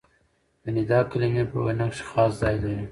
د ندا کلیمې په وینا کښي خاص ځای لري.